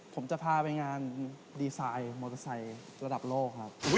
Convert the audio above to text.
ผมจะพาไปงานดีไซน์มอเตอร์ไซค์ระดับโลกครับ